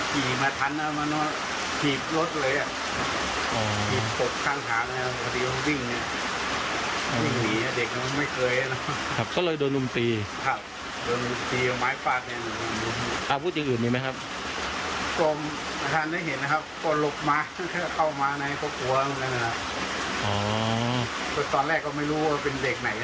เขาออกมาไหนเขากลัวตอนแรกเขาไม่รู้ว่าเป็นเด็กไหน